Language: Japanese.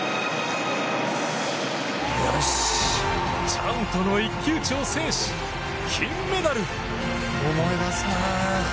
チャンとの一騎打ちを制し金メダル。